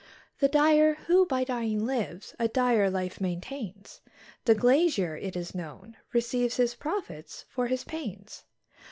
The dyer, who by dying lives, a dire life maintains; The glazier, it is known, receives his profits for his panes.